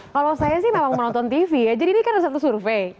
kalau saya sih memang menonton tv ya jadi ini kan ada satu survei